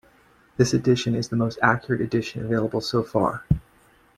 This edition is the most accurate edition available so far.